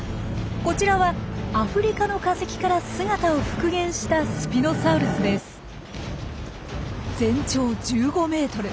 こちらはアフリカの化石から姿を復元した全長１５ｍ。